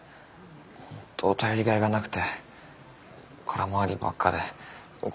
本当頼りがいがなくて空回りばっかで今回も。